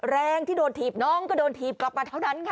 แรงที่โดนถีบน้องก็โดนถีบกลับมาเท่านั้นค่ะ